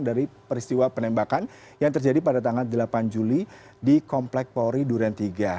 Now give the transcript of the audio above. dari peristiwa penembakan yang terjadi pada tanggal delapan juli di komplek polri duren tiga